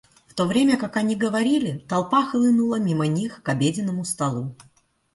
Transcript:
В то время как они говорили, толпа хлынула мимо них к обеденному столу.